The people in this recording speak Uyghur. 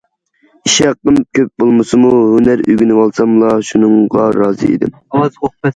ئىش ھەققىم كۆپ بولمىسىمۇ، ھۈنەر ئۆگىنىۋالساملا شۇنىڭغا رازى ئىدىم.